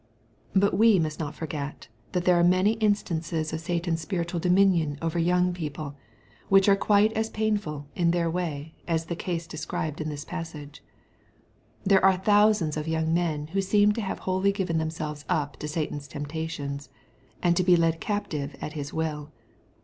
But we must not forget that there are many instances MATTHEW, CHAP. XVH. 211 of Satan's spiritual dominion over young people^ which are quite as painful, in their way, as the case desciihed in this passage. There are thousands of young men who seem to have wholly given themselves up to Satan's temptations, and to be led captive at his will.